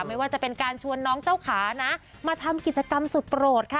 ไม่ว่าจะเป็นการชวนน้องเจ้าขานะมาทำกิจกรรมสุดโปรดค่ะ